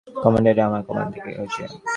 Commander, এটা আমাদের কামান থেকে হয়েছে।